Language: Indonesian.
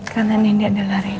karena nindi adalah rina